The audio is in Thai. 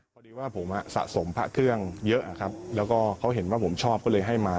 พอดีว่าผมสะสมพระเครื่องเยอะครับแล้วก็เขาเห็นว่าผมชอบก็เลยให้มา